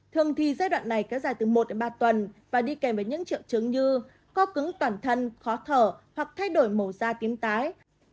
thường thì giai đoạn này kéo dài từ một đến ba tuần và đi kèm với những triệu chứng như co cứng toàn thân khó thở hoặc thay đổi màu da tíếm tái